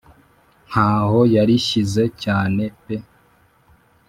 ntaho yarishyize cyane pe